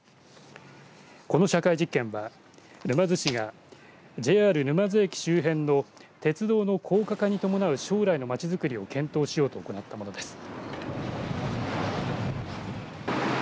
この社会実験は沼津市がＪＲ沼津駅周辺の鉄道の高架化に伴う将来の街づくりを検討しようと行ったものです。